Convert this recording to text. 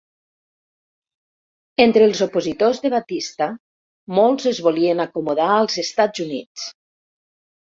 Entre els opositors de Batista, molts es volien acomodar als Estats Units.